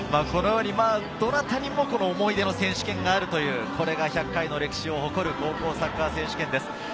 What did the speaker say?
このように、どなたにも思い出の選手権があるという、これが１００回の歴史を誇る高校サッカー選手権です。